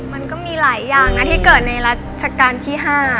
มันก็มีหลายอย่างนะที่เกิดในรัชกาลที่๕